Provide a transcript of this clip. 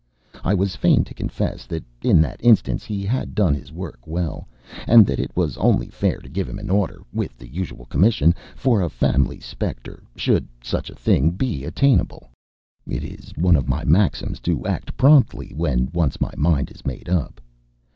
I was fain to confess that in that instance he had done his work well, and that it was only fair to give him an order with the usual commission for a family spectre, should such a thing be attainable. It is one of my maxims to act promptly when once my mind is made up.